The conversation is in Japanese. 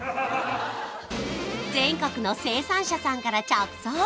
全国の生産者さんから直送！